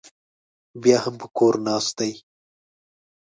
بیا هم په کور ناست دی.